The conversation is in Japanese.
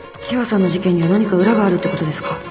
喜和さんの事件には何か裏があるってことですか？